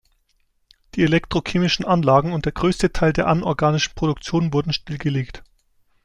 Die elektrochemischen Anlagen und der größte Teil der anorganischen Produktion wurden stillgelegt.